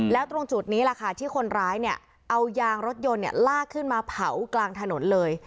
แล้วตรงจุดนี้แหละค่ะที่คนร้ายเนี่ยเอายางรถยนต์ลากขึ้นมาเผากลางถนนเลย